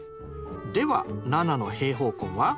では７の平方根は？